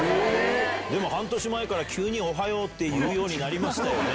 でも半年前から急におはようって言うようになりましたよね。